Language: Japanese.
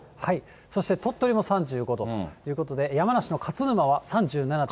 そして鳥取も３５度ということで、山梨の勝沼は３７．５度。